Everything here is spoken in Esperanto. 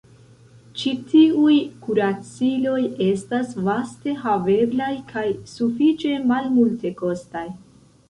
Ĉi tiuj kuraciloj estas vaste haveblaj kaj sufiĉe malmultekostaj.